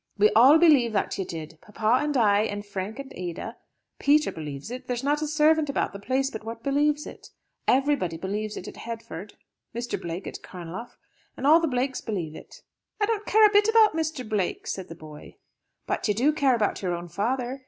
We all believe that you did papa and I, and Frank and Ada; Peter believes it; there's not a servant about the place but what believes it. Everybody believes it at Headford. Mr. Blake at Carnlough, and all the Blakes believe it." "I don't care a bit about Mr. Blake," said the boy. "But you do care about your own father.